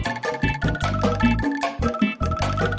di mana kau gak mahdpct